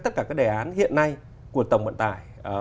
tất cả các đề án hiện nay của tổng vận tải